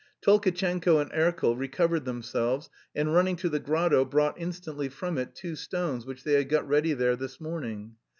Tolkatchenko and Erkel recovered themselves, and running to the grotto brought instantly from it two stones which they had got ready there that morning.